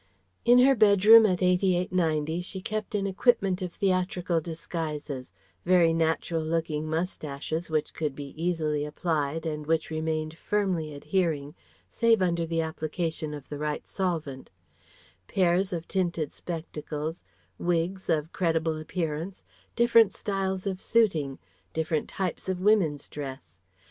In her bedroom at 88 90 she kept an equipment of theatrical disguises; very natural looking moustaches which could be easily applied and which remained firmly adhering save under the application of the right solvent; pairs of tinted spectacles; wigs of credible appearance; different styles of suiting, different types of women's dress.